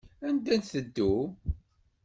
Anda nteddu?